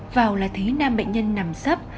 vào là thấy nam bệnh nhân nằm sấp